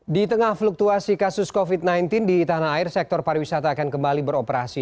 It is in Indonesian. di tengah fluktuasi kasus covid sembilan belas di tanah air sektor pariwisata akan kembali beroperasi